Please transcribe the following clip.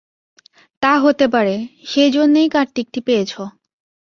তা হতে পারে, সেইজন্যেই কার্তিকটি পেয়েছ!